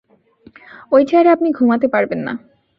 ওই চেয়ারে আপনি ঘুমাতে পারবেন না।